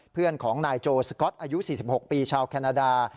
เพื่อนของนายโจสก๊อตอายุ๔๖ปีชาวแคนาดา